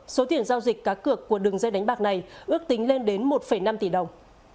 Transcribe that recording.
số tiền giao dịch cá cược của đường dây đánh bạc này ước tính lên đến một năm tỷ đồng